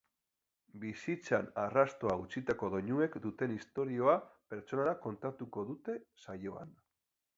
Bizitzan arrastoa utzitako doinuek duten historia pertsonala kontatuko dute saioan.